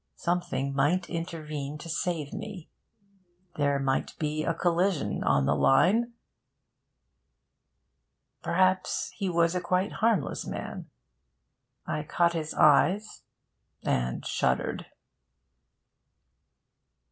Something might intervene to save me. There might be a collision on the line. Perhaps he was a quite harmless man...I caught his eyes, and shuddered...